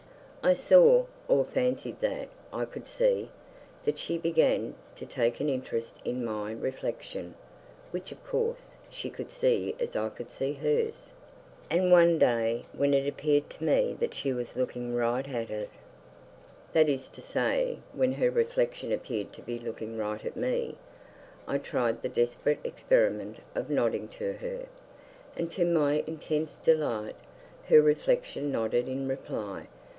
I saw or fancied that I could see that she began to take an interest in my reflection (which, of course, she could see as I could see hers); and one day, when it appeared to me that she was looking right at it that is to say when her reflection appeared to be looking right at me I tried the desperate experiment of nodding to her, and to my intense delight her reflection nodded in reply.